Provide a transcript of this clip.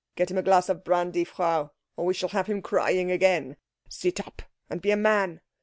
Get him a glass of brandy, Frau, or we shall have him crying again. Sit up, and be a man.